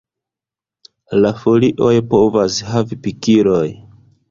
La folioj povas havi pikiloj.